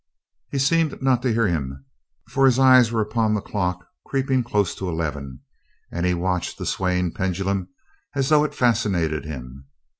He seemed not to hear him, for his eyes were upon the clock creeping close to eleven, and he watched the swaying pendulum as though it fascinated him.